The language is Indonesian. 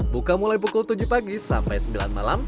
buka mulai pukul tujuh pagi sampai sembilan malam